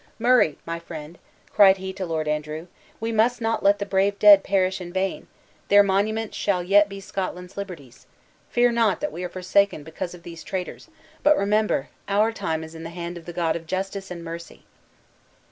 Murray, my friend!" cried he to Lord Andrew, "we must not let the brave dead perish in vain! Their monument shall yet be Scotland's liberties. Fear not that we are forsaken because of these traitors; but remember our time is in the hand of the God of justice and mercy!"